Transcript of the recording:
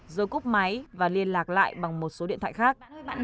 rồi cúp máy và liên lạc lại bằng một số điện thoại khác